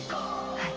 はい。